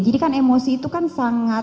jadi kan emosi itu kan sangat